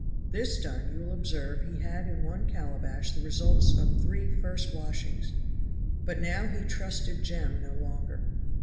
This done, you will observe he had in one calabash the results of three first washings. But now he trusted Jem no longer.